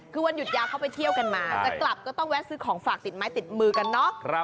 คือวันหยุดยาวเขาไปเที่ยวกันมาจะกลับก็ต้องแวะซื้อของฝากติดไม้ติดมือกันเนาะ